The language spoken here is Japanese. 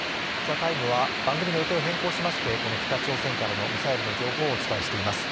「ＴＨＥＴＩＭＥ，」は番組の予定を変更しまして、この北朝鮮からのミサイルの情報をお伝えしています。